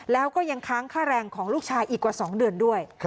แล้วก็ยังค้างค่าแรงของลูกชายอีกกว่า๒เดือนด้วย